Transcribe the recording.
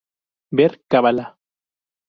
Ver: Cábala.